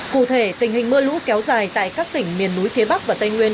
cụ thể tình hình mưa lũ kéo dài tại các tỉnh miền núi phía bắc và tây nguyên